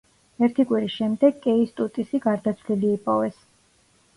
ერთი კვირის შემდეგ კეისტუტისი გარდაცვლილი იპოვეს.